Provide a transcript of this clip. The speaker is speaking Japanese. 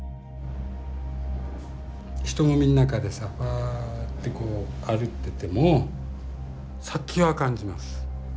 人混みの中でさふぁってこう歩ってても殺気は感じます。